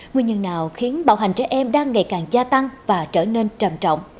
nguyên nhân nào khiến bạo hành trẻ em đang ngày càng gia tăng và trở nên trầm trọng